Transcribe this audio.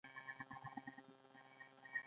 آیا کاناډا د عدلي طب اداره نلري؟